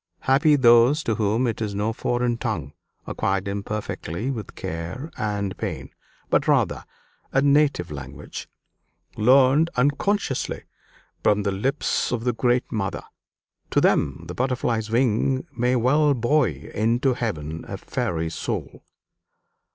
Happy those to whom it is no foreign tongue, acquired imperfectly with care and pain, but rather a native language, learned unconsciously from the lips of the great mother. To them the butterfly's wing may well buoy into heaven a fairy's soul!"